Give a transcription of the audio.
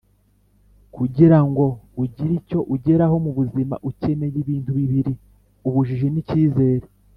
“kugira ngo ugire icyo ugeraho mu buzima, ukeneye ibintu bibiri: ubujiji n'icyizere